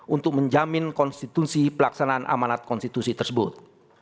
untuk menjamin konstitusi pelaksanaan amanat konstitusi tersebut